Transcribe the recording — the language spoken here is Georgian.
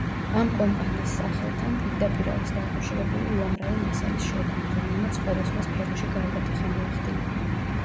ამ კომპანიის სახელთან პირდაპირ არის დაკავშირებული უამრავი მასალის შექმნა, რომელმაც სხვადასხვა სფეროში გარდატეხა მოახდინა.